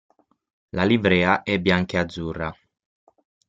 La livrea è bianca e azzurra.